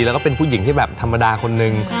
แล้วก็เป็นผู้หญิงที่แบบธรรมดาคนนึง